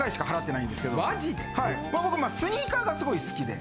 僕スニーカーがすごい好きで。